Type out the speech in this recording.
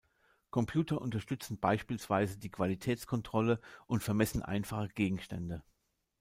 Computer unterstützen beispielsweise die Qualitätskontrolle und vermessen einfache Gegenstände.